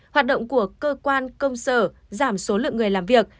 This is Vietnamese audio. hoạt động của cơ quan công sở giảm số lượng người làm việc